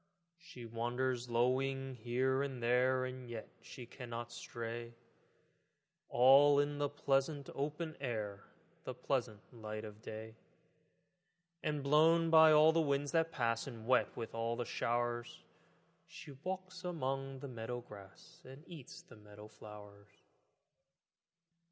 She wanders lowing here and there, And yet she cannot stray, All in the pleasant open air, The pleasant light of day; And blown by all the winds that pass And wet with all the showers, She walks among the meadow grass And eats the meadow flowers.